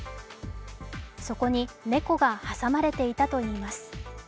そこに猫が挟まれていたといいます。